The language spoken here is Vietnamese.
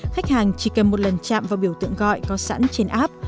khách hàng chỉ cần một lần chạm vào biểu tượng gọi có sẵn trên app